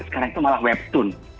sekarang itu malah webtoon